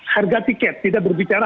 harga tiket tidak berbicara